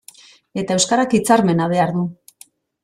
Eta euskarak hitzarmena behar du.